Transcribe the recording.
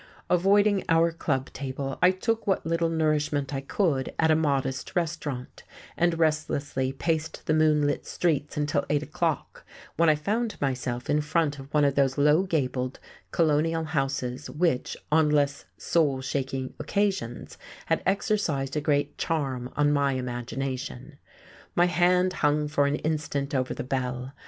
Avoiding our club table, I took what little nourishment I could at a modest restaurant, and restlessly paced the moonlit streets until eight o'clock, when I found myself in front of one of those low gabled colonial houses which, on less soul shaking occasions, had exercised a great charm on my imagination. My hand hung for an instant over the bell....